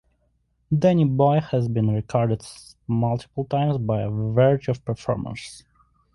"Danny Boy" has been recorded multiple times by a variety of performers.